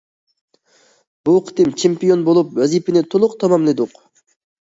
بۇ قېتىم چېمپىيون بولۇپ، ۋەزىپىنى تولۇق تاماملىدۇق.